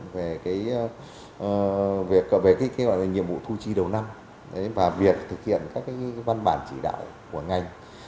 về việc nhiệm vụ thu chi đầu năm và việc thực hiện các văn bản chỉ đạo của ngành